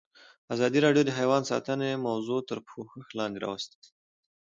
ازادي راډیو د حیوان ساتنه موضوع تر پوښښ لاندې راوستې.